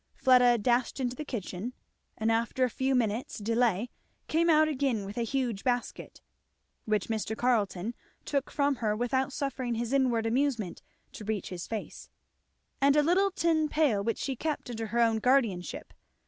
Fleda dashed into the kitchen, and after a few minutes' delay came out again with a huge basket, which Mr. Carleton took from her without suffering his inward amusement to reach his face, and a little tin pail which she kept under her own guardianship.